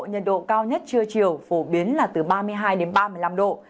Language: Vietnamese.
nhiệt độ cao nhất trưa chiều phổ biến là từ ba mươi hai đến ba mươi năm độ